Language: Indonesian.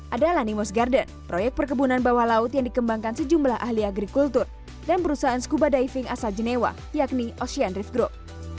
adalah lanimos garden proyek perkebunan bawah laut yang dikembangkan sejumlah ahli agrikultur dan perusahaan scuba diving asal genewa yakni ocean rift group